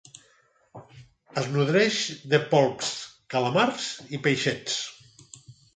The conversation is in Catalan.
Es nodreix de polps, calamars i peixets.